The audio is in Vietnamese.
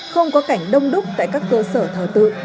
không có cảnh đông đúc tại các cơ sở thờ tự